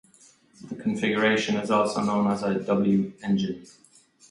The configuration is also known as a W engine.